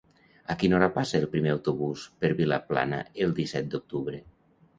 A quina hora passa el primer autobús per Vilaplana el disset d'octubre?